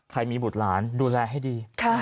ใครมีบุฏหลานดูแลให้ดี